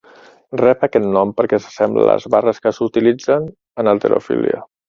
Rep aquest nom perquè s'assembla a les barres que s'utilitzen en halterofília.